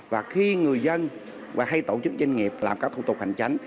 và khi người dân và hay tổ chức doanh nghiệp làm các thủ tục hành chính